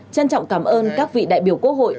trân trọng cảm ơn các vị đại biểu quốc hội